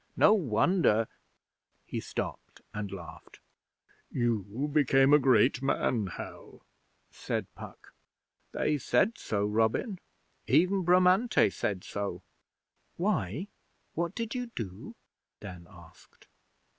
No wonder ' He stopped and laughed. 'You became a great man, Hal,' said Puck. 'They said so, Robin. Even Bramante said so.' 'Why? What did you do?' Dan asked.